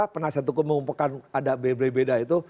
penasihat tukun mengumpulkan ada beberapa berapa beda itu